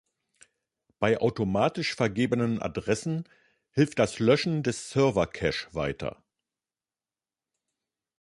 Bei automatisch vergebenen Adressen hilft das Löschen des Server-Cache weiter.